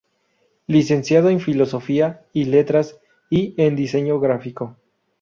Licenciado en Filosofía y Letras y en Diseño gráfico.